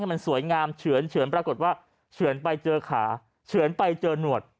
มันสวยงามเฉือนปรากฏว่าเฉือนไปเจอขาเฉือนไปเจอหนวด